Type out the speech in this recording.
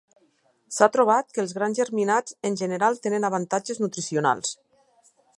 S'ha trobat que els grans germinats en general tenen avantatges nutricionals.